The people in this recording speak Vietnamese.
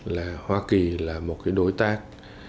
là hoa kỳ là một đối tác